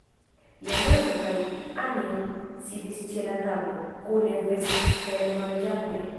Leonardo kaj Anjo sidis ĉe la tablo, kune vespermanĝante.